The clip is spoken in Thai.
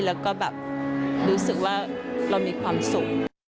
แล้วก็แบบรู้สึกว่าเรามีความสุข